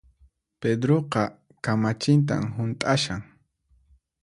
Pedroqa kamachintan hunt'ashan